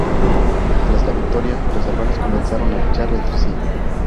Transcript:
Tras la victoria, los hermanos comenzaron a luchar entre sí.